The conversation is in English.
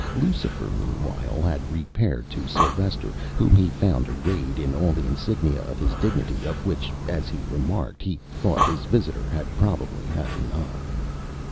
Lucifer, meanwhile, had repaired to Silvester, whom he found arrayed in all the insignia of his dignity; of which, as he remarked, he thought his visitor had probably had enough.